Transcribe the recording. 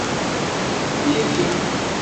Yeki.